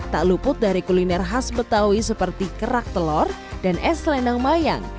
tak luput dari kuliner khas betawi seperti kerak telur dan es selendang mayang